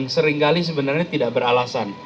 seringkali sebenarnya tidak beralasan